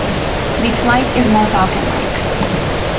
The flight is more falcon-like.